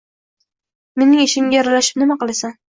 Mening ishimga aralashib nima qilasan?